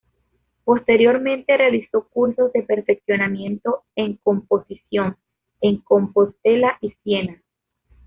Posteriormente realizó cursos de perfeccionamiento en Composición en Compostela y Siena.